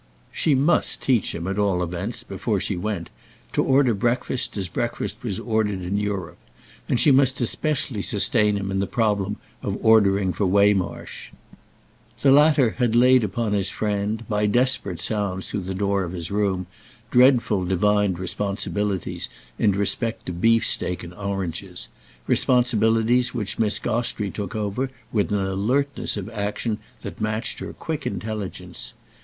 She must teach him at all events, before she went, to order breakfast as breakfast was ordered in Europe, and she must especially sustain him in the problem of ordering for Waymarsh. The latter had laid upon his friend, by desperate sounds through the door of his room, dreadful divined responsibilities in respect to beefsteak and oranges—responsibilities which Miss Gostrey took over with an alertness of action that matched her quick intelligence.